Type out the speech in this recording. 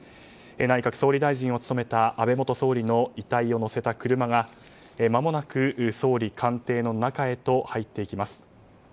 内閣総理大臣を務めた安倍元総理の遺体を乗せた車が、まもなく総理官邸の中へと入っていきます。